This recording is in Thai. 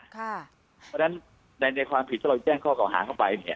เพราะฉะนั้นในความผิดถ้าเราแจ้งข้อเก่าหาเข้าไปเนี่ย